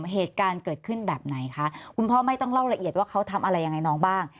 เหตุการณ์เกิดขึ้นแบบไหนคะคุณพ่อไม่ต้องเล่าละเอียดว่าเขาทำอะไรยังไงน้องบ้าง